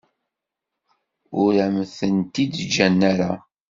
Ur am-tent-id-ǧǧan ara.